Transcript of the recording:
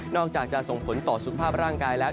อกจากจะส่งผลต่อสุขภาพร่างกายแล้ว